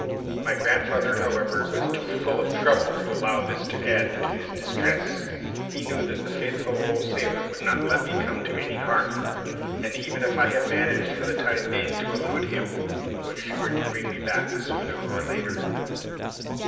My grandfather, however, was too full of trouble to allow this to add to his distress. He knew that the faithful old sailor would not let me come to any harm, and even if I had managed for the time being to elude him, was sure to bring me back sooner or later.